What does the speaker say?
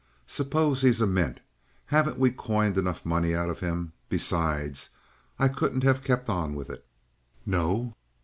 Suppose he is a mint; haven't we coined enough money out of him? Besides, I couldn't have kept on with it." "No?"